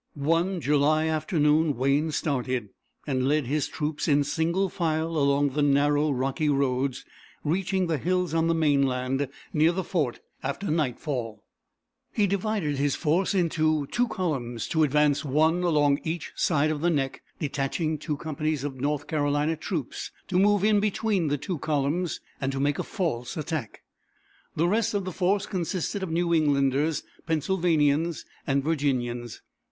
One July afternoon Wayne started, and led his troops in single file along the narrow rocky roads, reaching the hills on the mainland near the fort after nightfall. He divided his force into two columns, to advance one along each side of the neck, detaching two companies of North Carolina troops to move in between the two columns and make a false attack. The rest of the force consisted of New Englanders, Pennsylvanians, and Virginians.